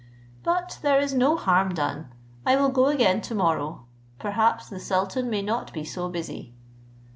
But there is no harm done; I will go again to morrow; perhaps the sultan may not be so busy."